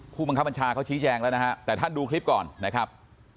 ผู้บังคับบัญชาเขาชี้แจงแล้วนะฮะแต่ท่านดูคลิปก่อนนะครับ